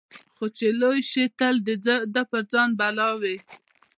خو چي لوی سي تل د ده په ځان بلاوي